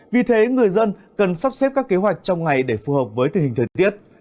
vì thế người dân cần sắp xếp các kế hoạch trong ngày để phù hợp với tình hình thời tiết